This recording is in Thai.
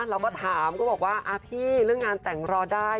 เราก็ถามก็บอกว่าพี่เรื่องงานแต่งรอได้